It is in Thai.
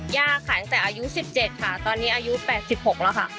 ขายตั้งแต่อายุ๑๗ค่ะตอนนี้อายุ๘๖แล้วค่ะ